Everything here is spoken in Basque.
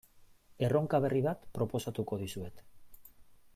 Erronka berri bat proposatuko dizuet.